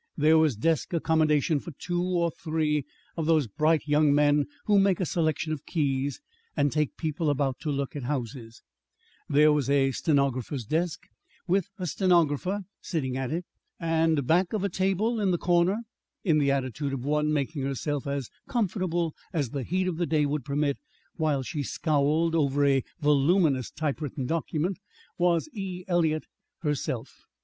There was desk accommodation for two or three of those bright young men who make a selection of keys and take people about to look at houses; there was a stenographer's desk with a stenographer sitting at it; and back of a table in the corner, in the attitude of one making herself as comfortable as the heat of the day would permit, while she scowled over a voluminous typewritten document, was E. Eliot herself.